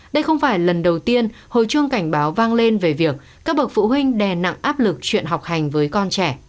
đây không phải lần đầu tiên hồi chuông cảnh báo vang lên về việc các bậc phụ huynh đè nặng áp lực chuyện học hành với con trẻ